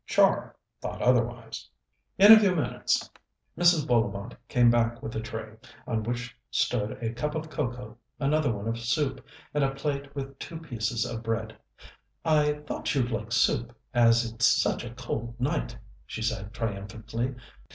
Char thought otherwise. In a few minutes Mrs. Bullivant came back with a tray, on which stood a cup of cocoa, another one of soup, and a plate with two pieces of bread. "I thought you'd like soup, as it's such a cold night," she said triumphantly.